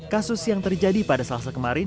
kasus yang terjadi pada selasa kemarin